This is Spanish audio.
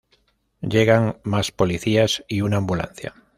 Llegan más policías y una ambulancia.